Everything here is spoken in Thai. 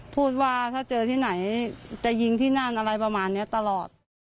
พูดว่าถ้าเจอที่ไหนจะยิงที่นั่นอะไรประมาณนี้ตลอด